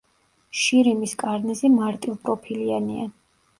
შირიმის კარნიზი მარტივპროფილიანია.